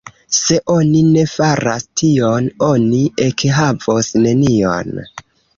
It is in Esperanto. Se oni ne faras tion, oni ekhavos nenion.